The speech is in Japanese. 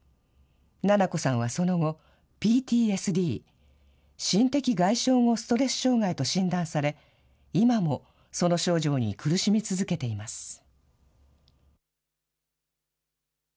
菜々子さんはその後、ＰＴＳＤ・心的外傷後ストレス障害と診断され、今もその症状に苦しみ続けています。